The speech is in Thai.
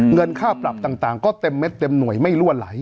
เงินค่าปรับต่างก็เต็มเม็ดเต็มหน่วยไม่รั่วไหล